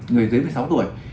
người dưới một mươi sáu tuổi